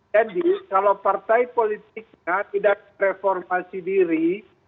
jadi kalau partai politiknya tidak reformasi diri